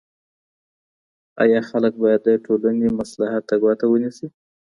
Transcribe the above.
آیا خلګ باید د ټولني مصلحت ته ګوته ونیسي؟